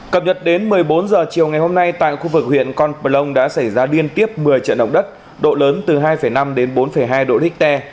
cập nhật đến một mươi bốn h chiều ngày hôm nay tại khu vực huyện con plong đã xảy ra liên tiếp một mươi trận động đất độ lớn từ hai năm đến bốn hai độ richter